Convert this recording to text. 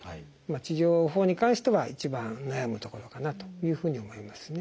治療法に関しては一番悩むところかなというふうに思いますね。